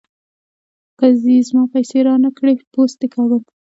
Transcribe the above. که دې زما پيسې را نه کړې؛ پوست دې کاږم.